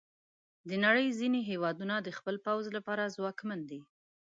د نړۍ ځینې هیوادونه د خپل پوځ لپاره ځواکمن دي.